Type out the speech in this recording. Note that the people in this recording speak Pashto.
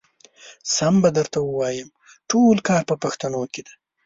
سم به درته ووايم ټول کار په پښتنو کې دی.